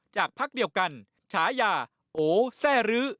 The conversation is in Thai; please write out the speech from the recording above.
จากพักเดียวกันฉายาโอ้แทร่รื้อ